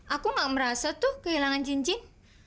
aku gak merasa tuh kehilangan cincin